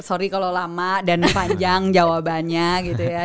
sorry kalau lama dan panjang jawabannya gitu ya